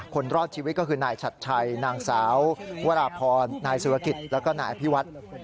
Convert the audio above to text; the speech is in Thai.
คนรอดชีวิตก็คือนายชัดชัยนางสาววราพรนายสุรกิจแล้วก็นายอภิวัฒน์